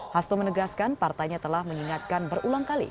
hasto menegaskan partainya telah mengingatkan berulang kali